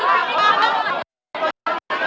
masih berusukan hari ini pak